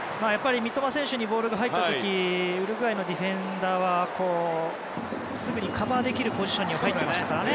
三笘選手にボールが入った時ウルグアイのディフェンダーはすぐにカバーできるポジションに入っていましたからね。